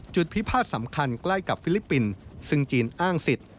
พิพาทสำคัญใกล้กับฟิลิปปินส์ซึ่งจีนอ้างสิทธิ์